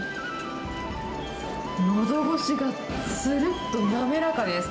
のどごしがつるっと滑らかです。